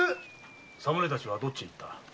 侍たちはどっちに行った？